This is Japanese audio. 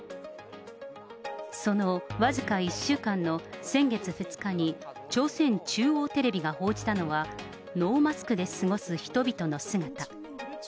その僅か１週間の先月２日に朝鮮中央テレビが報じたのは、ノーマスクで過ごす人々の姿。